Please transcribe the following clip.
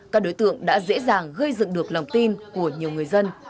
các đối tượng đã dễ dàng gây dựng được lòng tin của nhiều người dân